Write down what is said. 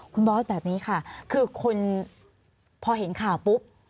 คุณบอสแบบนี้ค่ะคือคนพอเห็นข่าวปุ๊บ